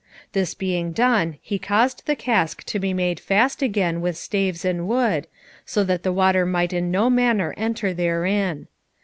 This being done he caused the cask to be made fast again with staves and wood, so that the water might in no manner enter therein.